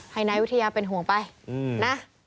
ให้นายวิทยาเป็นห่วงไปนะ